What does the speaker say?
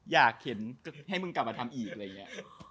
เข็นให้มึงกลับมาทำอีกอะไรอย่างนี้